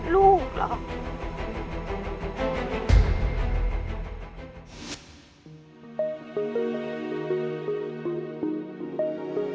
ลูกเหรอ